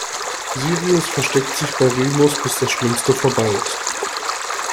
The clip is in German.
Sirius versteckt sich bei Remus, bis das Schlimmste vorbei ist.